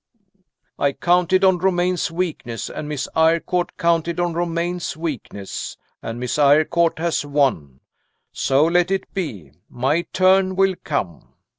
"I counted on Romayne's weakness; and Miss Eyrecourt counted on Romayne's weakness; and Miss Eyrecourt has won. So let it be. My turn will come."